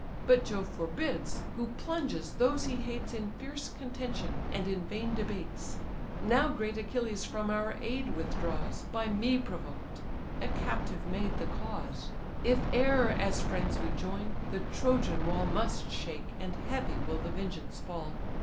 But Jove forbids, who plunges those he hates In fierce contention and in vain debates: Now great Achilles from our aid withdraws, By me provoked; a captive maid the cause: If e'er as friends we join, the Trojan wall Must shake, and heavy will the vengeance fall!